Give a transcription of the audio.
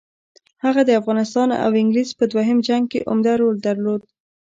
هغه د افغانستان او انګلیس په دوهم جنګ کې عمده رول درلود.